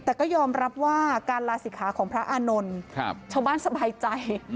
แต่ก็ยอมรับว่าการลาศิกขาของพระอานนท์ชาวบ้านสบายใจ